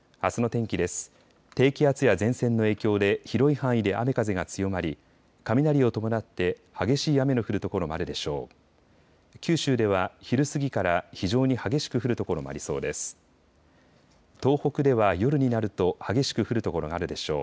低気圧や前線の影響で広い範囲で雨風が強まり雷を伴って激しい雨の降る所もあるでしょう。